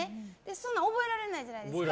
そんなん覚えられないじゃないですか。